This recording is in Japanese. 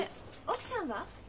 奥さんは？